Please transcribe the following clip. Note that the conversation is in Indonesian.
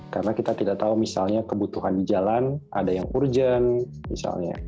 karena kita tidak tahu misalnya kebutuhan di jalan ada yang urgent misalnya